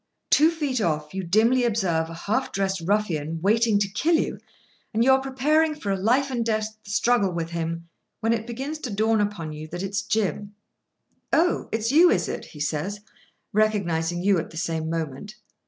Two feet off, you dimly observe a half dressed ruffian, waiting to kill you, and you are preparing for a life and death struggle with him, when it begins to dawn upon you that it's Jim. "Oh, it's you, is it?" he says, recognising you at the same moment.